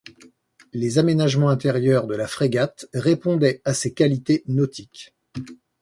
Les aménagements intérieurs de la frégate répondaient à ses qualités nautiques.